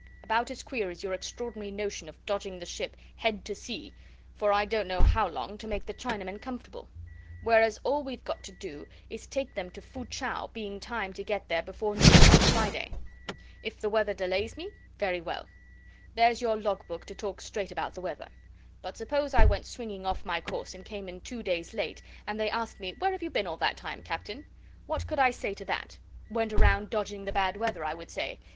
"About as queer as your extraordinary notion of dodging the ship head to sea, for I don't know how long, to make the Chinamen comfortable; whereas all we've got to do is to take them to Fu chau, being timed to get there before noon on Friday. If the weather delays me very well. There's your log book to talk straight about the weather. But suppose I went swinging off my course and came in two days late, and they asked me: 'Where have you been all that time, Captain?' What could I say to that? 'Went around to dodge the bad weather,' I would say.